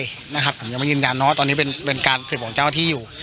ผมยังไม่ยืนยันนะว่าตอนนี้เป็นการสืบของเจ้าหน้าที่อยู่